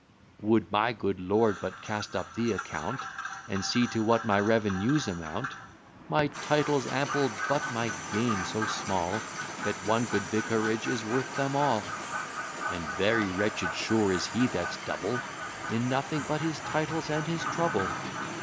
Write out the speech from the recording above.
"Would my good Lord but cast up the account, And see to what my revenues amount; My titles ample; but my gain so small, That one good vicarage is worth them all: And very wretched, sure, is he that's double In nothing but his titles and his trouble.